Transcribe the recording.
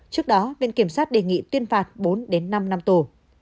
trước đó viện kiểm sát đề nghị tuyên phạt bốn đến năm năm tù